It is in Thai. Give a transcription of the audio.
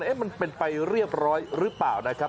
มันเป็นไปเรียบร้อยหรือเปล่านะครับ